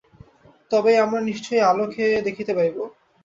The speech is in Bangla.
তবেই আমরা নিশ্চয়ই আলোক দেখিতে পাইব।